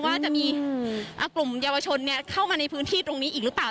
ว่าจะมีกลุ่มเยาวชนเข้ามาในพื้นที่ตรงนี้อีกหรือเปล่า